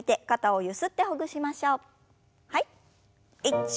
はい。